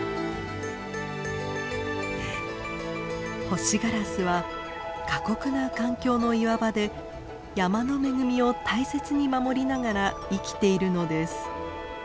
ホシガラスは過酷な環境の岩場で山の恵みを大切に守りながら生きているのです。